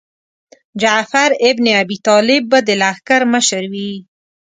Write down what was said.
جعفر ابن ابي طالب به د لښکر مشر وي.